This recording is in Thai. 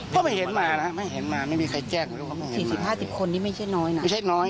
๔๐๕๐คนนี่ไม่ใช่น้อยนะ